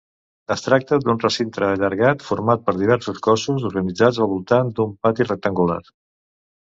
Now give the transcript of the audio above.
Es tracta d'un recinte allargat format per diversos cossos, organitzats al voltant d'un pati rectangular.